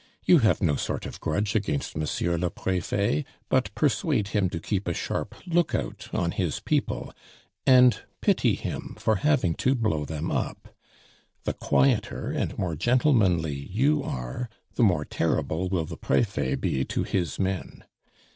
You have no sort of grudge against Monsieur le Prefet, but persuade him to keep a sharp lookout on his people, and pity him for having to blow them up. The quieter and more gentlemanly you are, the more terrible will the Prefet be to his men.